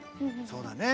そうだね。